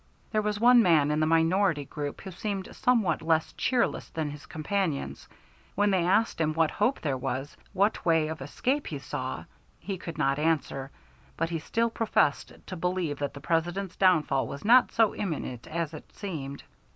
There was one man in the minority group who seemed somewhat less cheerless than his companions. When they asked him what hope there was, what way of escape he saw, he could not answer, but he still professed to believe that the President's downfall was not so imminent as it seemed.